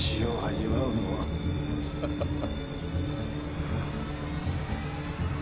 ハハハ。